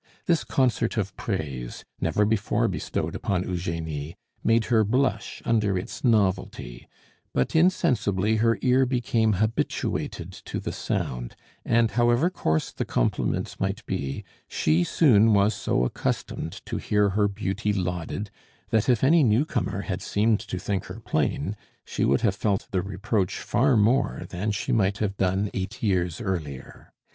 This concert of praise, never before bestowed upon Eugenie, made her blush under its novelty; but insensibly her ear became habituated to the sound, and however coarse the compliments might be, she soon was so accustomed to hear her beauty lauded that if any new comer had seemed to think her plain, she would have felt the reproach far more than she might have done eight years earlier.